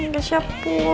gak siap bu